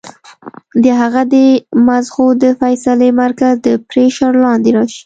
د هغه د مزغو د فېصلې مرکز د پرېشر لاندې راشي